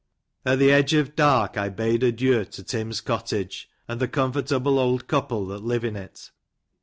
At tbe edge of dark, I bade adieu to Tim's cottage, and the comfortable old couple that live in it.